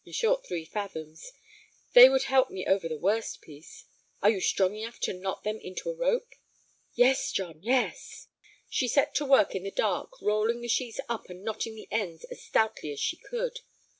"A short three fathoms. They would help me over the worst piece. Are you strong enough to knot them into a rope?" "Yes, John—yes." She set to work in the dark, rolling the sheets up and knotting the ends as stoutly as she could.